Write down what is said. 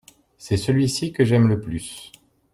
C’est celui-ci que j’aime le plus.